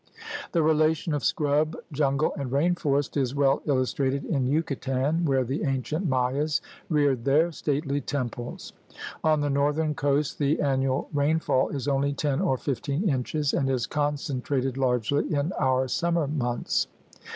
The relation of scrub, jungle, and rain forest is well illustrated in Yucatan, where the ancient Mayas reared their stately temples. On the northern coast the annual rainfall is only ten or fifteen inches and is concentrated largely in our summer months.